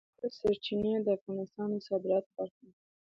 ژورې سرچینې د افغانستان د صادراتو برخه ده.